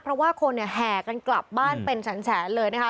เพราะว่าคนเนี่ยแห่กันกลับบ้านเป็นแสนเลยนะคะ